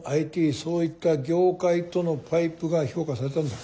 そういった業界とのパイプが評価されたんだろう。